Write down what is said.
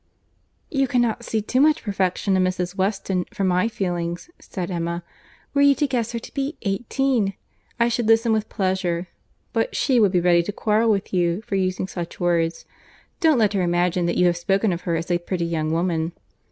"You cannot see too much perfection in Mrs. Weston for my feelings," said Emma; "were you to guess her to be eighteen, I should listen with pleasure; but she would be ready to quarrel with you for using such words. Don't let her imagine that you have spoken of her as a pretty young woman."